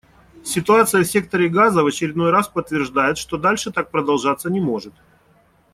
Ситуация в секторе Газа в очередной раз подтверждает, что дальше так продолжаться не может.